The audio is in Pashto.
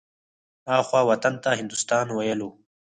اخوا وطن ته هندوستان ويلو.